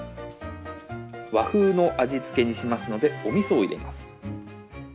和風の味付けにしますのでおみそを入れます。